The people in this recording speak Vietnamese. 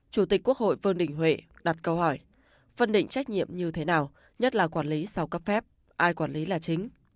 chủ tịch quốc hội vương đình huệ đặt câu hỏi phân định trách nhiệm như thế nào nhất là quản lý sau cấp phép ai quản lý là chính